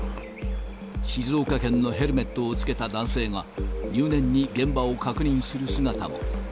静岡県のヘルメットをつけた男性が、入念に現場を確認する姿も。